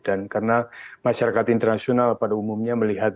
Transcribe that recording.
dan karena masyarakat internasional pada umumnya melihat